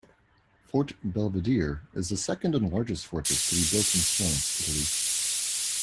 Forte Belvedere is the second and largest fortress to be built in Florence, Italy.